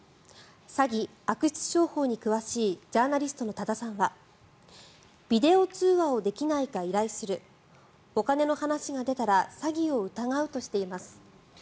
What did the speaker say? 詐欺・悪質商法に詳しいジャーナリストの多田さんはビデオ通話をできないか依頼するお金の話が出たら詐欺を疑うとしています。